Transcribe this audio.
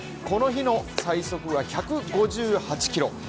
この日の最速は１５８キロ。